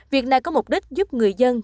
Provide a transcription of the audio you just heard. việc này có mục đích giúp người dân